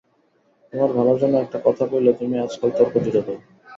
তোমার ভালোর জন্যে একটা কথা কইলে তুমি আজকাল তর্ক জুড়ে দাও।